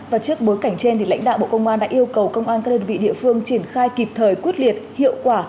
và trước bối cảnh trên lãnh đạo bộ công an đã yêu cầu công an các đơn vị địa phương triển khai kịp thời quyết liệt hiệu quả